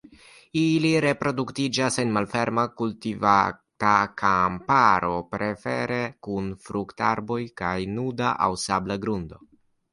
Ili reproduktiĝas en malferma kultivata kamparo, prefere kun fruktarboj kaj nuda aŭ sabla grundo.